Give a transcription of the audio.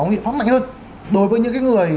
nghiệp pháp mạnh hơn đối với những cái người